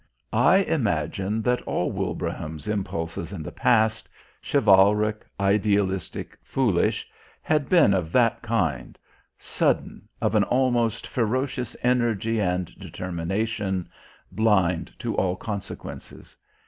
I imagine that all Wilbraham's impulses in the past, chivalric, idealistic, foolish, had been of that kind sudden, of an almost ferocious energy and determination, blind to all consequences.